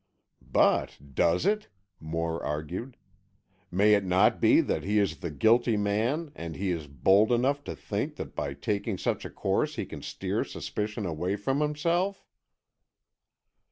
"But does it?" Moore argued. "May it not be that he is the guilty man and he is bold enough to think that by taking such a course he can steer suspicion away from himself?"